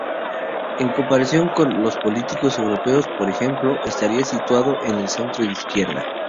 En comparación con los políticos europeos, por ejemplo, estaría situado en el centro izquierda.